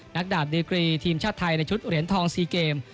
ดาบดีกรีทีมชาติไทยในชุดเหรียญทอง๔เกม